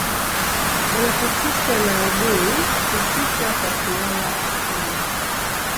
wanapotishwa na adui hujificha kwa kulala ardhini